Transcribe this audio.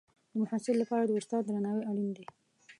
د محصل لپاره د استاد درناوی اړین دی.